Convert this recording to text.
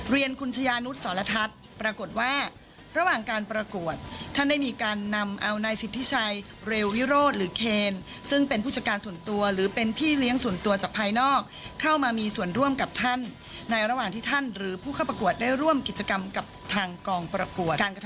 เรียนคุณชายานุษย์สรทัศน์ปรากฏว่าระหว่างการประกวดท่านได้มีการนำเอานายสิทธิชัยเรววิโรธหรือเคนซึ่งเป็นผู้จัดการส่วนตัวหรือเป็นพี่เลี้ยงส่วนตัวจากภายนอกเข้ามามีส่วนร่วมกับท่านในระหว่างที่ท่านหรือผู้เข้าประกวดได้ร่วมกิจกรรมกับทางกองประกวด